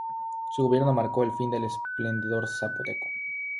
Su gobierno marcó el fin del esplendor zapoteco.